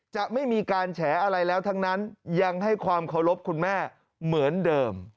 จะไม่มีการแฉอะไรแล้วทั้งนั้นยังให้ความเคารพคุณแม่เหมือนเดิม